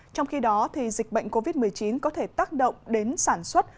trong khi đó dịch bệnh covid một mươi chín có thể tác động đến sản xuất